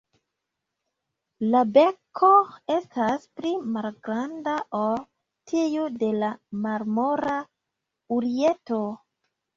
La beko estas pli malgranda ol tiu de la Marmora urieto.